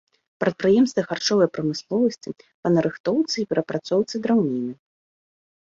Прадпрыемствы харчовай прамысловасці, па нарыхтоўцы і перапрацоўцы драўніны.